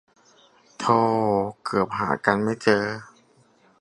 โถ เกือบหากันไม่เจอ